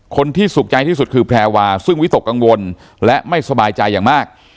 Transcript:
คนที่สุขใจที่สุดคือแพรวาซึ่งวิตกกังวลและไม่สบายใจอย่างมาก